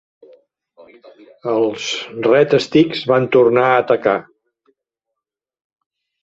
Els Red Sticks van tornar a atacar.